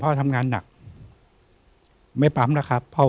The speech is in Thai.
พี่น้องรู้ไหมว่าพ่อจะตายแล้วนะ